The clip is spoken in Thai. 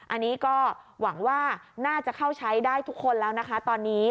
อันนี้ก็หวังว่าน่าจะเข้าใช้ได้ทุกคนแล้วนะคะตอนนี้